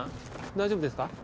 大丈夫ですか？